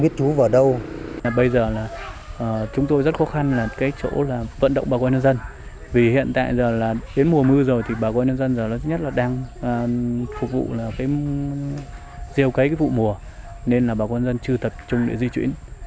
phục vụ là cái rêu cấy cái vụ mùa nên là bà quân dân chưa tập trung để di chuyển